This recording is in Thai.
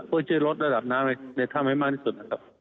เพื่อจะลดระดับน้ำในถ้ำให้มากที่สุด